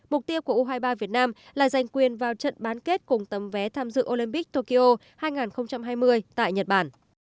mục tiêu của u hai mươi ba việt nam là giành quyền vào trận bán kết cùng tấm vé tham dự olympic tokyo hai nghìn hai mươi tại nhật bản